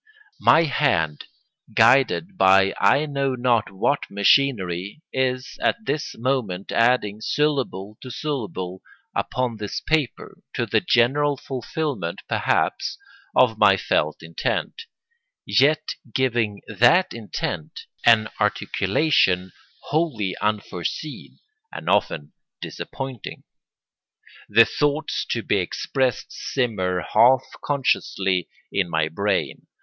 My hand, guided by I know not what machinery, is at this moment adding syllable to syllable upon this paper, to the general fulfilment, perhaps, of my felt intent, yet giving that intent an articulation wholly unforeseen, and often disappointing. The thoughts to be expressed simmer half consciously in my brain.